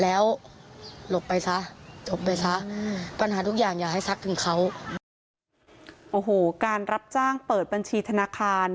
แล้วหลบไปซะจบไปซะอืมปัญหาทุกอย่างอย่าให้ซักถึงเขาโอ้โหการรับจ้างเปิดบัญชีธนาคาร